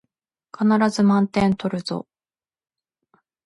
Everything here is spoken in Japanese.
必ず満点取るぞ